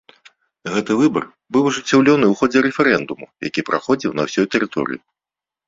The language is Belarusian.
Гэты выбар быў ажыццёўлены ў ходзе рэферэндуму, які праходзіў на ўсёй тэрыторыі.